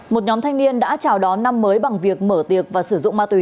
một nhóm thanh niên đã chào đón năm mới bằng việc mở tiệc và sử dụng ma túy